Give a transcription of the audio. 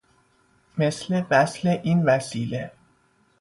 مثل وصل این وسیله